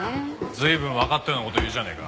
随分わかったような事言うじゃねえか。